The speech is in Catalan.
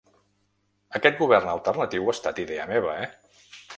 Aquest govern alternatiu ha estat idea meva, eh.